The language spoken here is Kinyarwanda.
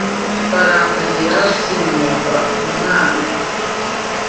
baradahira sinumva umwana